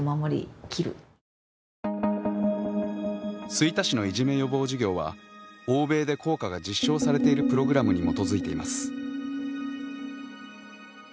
吹田市のいじめ予防授業は欧米で効果が実証されているプログラムに基づいています。